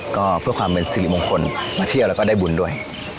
ก็เพื่อความเป็นสิริมงคลมาเที่ยวแล้วก็ได้บุญด้วย